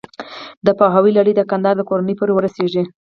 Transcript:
د پوهاوي لړۍ د کندهار کورنیو پورې ورسېږي.